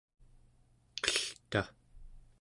qelta